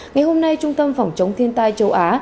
ngày hôm nay trung tâm phòng chống thiên tai châu á